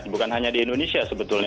bukan hanya di indonesia sebetulnya